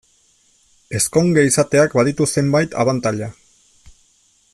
Ezkonge izateak baditu zenbait abantaila.